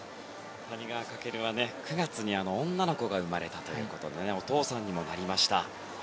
谷川翔は９月に女の子が生まれたということでお父さんにもなりました。